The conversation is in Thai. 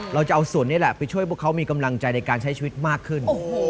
เราจะเอาส่วนนี้แหละไปช่วยพวกเขามีกำลังใจในการใช้ชีวิตมากขึ้น